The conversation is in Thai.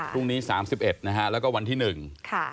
พรุ่งนี้สามสิบเอ็ดนะฮะแล้วก็วันที่หนึ่งค่ะ